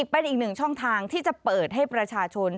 เป็นอีกหนึ่งช่องทางที่จะเปิดให้ประชาชน